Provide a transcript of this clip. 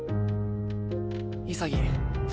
潔。